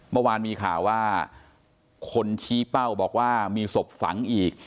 เมื่อวานมีข่าวว่าคนชี้เป้าบอกว่ามีศพฝังอีก